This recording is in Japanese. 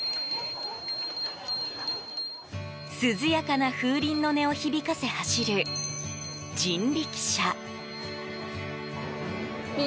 涼やかな風鈴の音を響かせ走る人力車。